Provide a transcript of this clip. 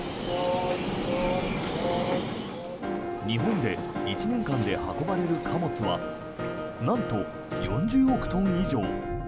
日本で１年間で運ばれる貨物はなんと４０億トン以上。